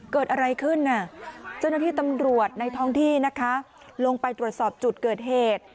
เกิดอะไรขึ้นน่ะเจ้าหน้าที่ตำรวจในท้องที่นะคะลงไปตรวจสอบจุดเกิดเหตุ